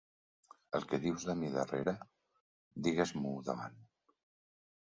El que dius de mi darrere, digues-m'ho davant.